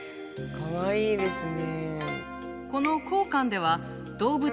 かわいいですね。